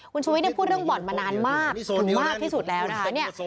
คุณชุวิตพูดเรื่องบ่อนมานานมากถึงมากที่สุดแล้วนะคะเนี่ย